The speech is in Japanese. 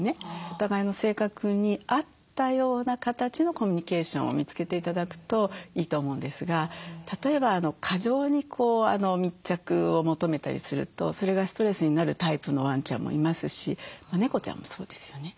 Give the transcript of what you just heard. お互いの性格に合ったような形のコミュニケーションを見つけて頂くといいと思うんですが例えば過剰に密着を求めたりするとそれがストレスになるタイプのワンちゃんもいますし猫ちゃんもそうですよね。